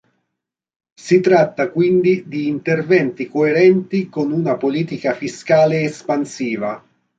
Si tratta quindi di interventi coerenti con una politica fiscale espansiva.